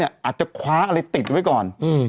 อาจจะคว้าอะไรติดไว้ก่อน